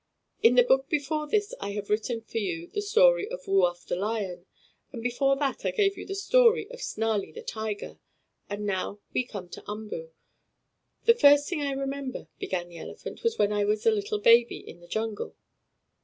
In the book before this I have written for you the story of Woo Uff, the lion. And before that I gave you the story of Snarlie, the tiger. And now we come to Umboo. "The first thing I remember," began the elephant, "was when I was a little baby in the jungle."